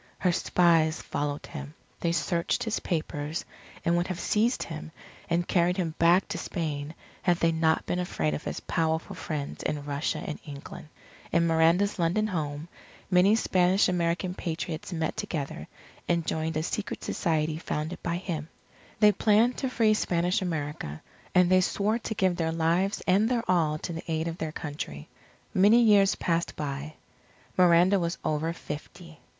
Her spies followed him. They searched his papers; and would have seized him and carried him back to Spain, had they not been afraid of his powerful friends in Russia and England. In Miranda's London home, many Spanish American Patriots met together, and joined a secret society founded by him. They planned to free Spanish America; and they swore to give their lives and their all to the aid of their Country. Many years passed by. Miranda was over fifty.